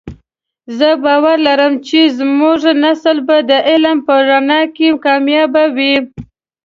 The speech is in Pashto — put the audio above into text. زه باور لرم چې زمونږ نسل به د علم په رڼا کې کامیابه وی